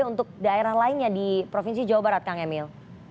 untuk daerah lainnya di provinsi jawa barat kang emil